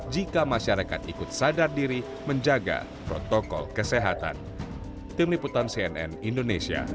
jika masyarakat ikut sadar diri menjaga protokol kesehatan